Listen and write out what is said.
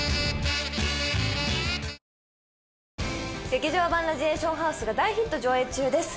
『劇場版ラジエーションハウス』が大ヒット上映中です。